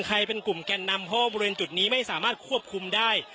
ใครเป็นกลุ่มแก่นนำเพราะว่าบริเวณจุดนี้ไม่สามารถควบคุมได้